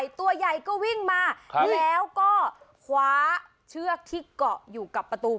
ตัวใหญ่ก็วิ่งมาแล้วก็คว้าเชือกที่เกาะอยู่กับประตู